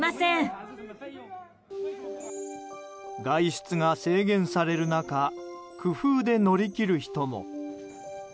外出が制限される中工夫で乗り切る人も。